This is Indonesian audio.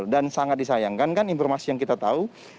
dan sangat disayangkan kan informasi yang kita tahu